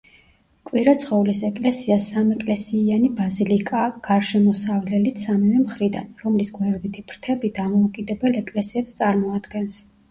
კვირაცხოვლის ეკლესია სამეკლესიიანი ბაზილიკაა, გარშემოსავლელით სამივე მხრიდან, რომლის გვერდითი ფრთები დამოუკიდებელ ეკლესიებს წარმოადგენს.